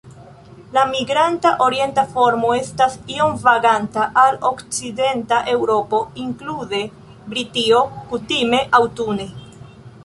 La migranta orienta formo estas iom vaganta al okcidenta Eŭropo, inklude Britio, kutime aŭtune.